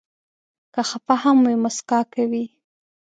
که خفه هم وي، مسکا کوي.